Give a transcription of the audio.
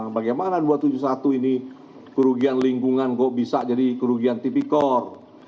bagaimana dua ratus tujuh puluh satu ini kerugian lingkungan kok bisa jadi kerugian tipikor